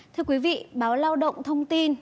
thưa quý vị báo lao động thông tin